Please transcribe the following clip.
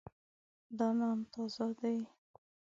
دا نان تازه دی.